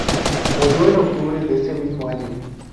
Murió en octubre de ese mismo año.